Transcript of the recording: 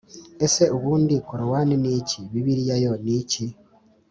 ese ubundi korowani ni iki, bibiliya yo ni iki?